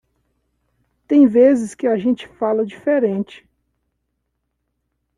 Tem vezes que a gente fala diferente.